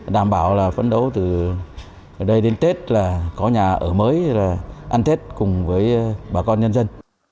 đảm bảo là phấn đấu từ đây đến tết là có nhà ở mới ăn tết cùng với bà con nhân dân